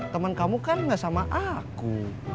teman kamu kan gak sama aku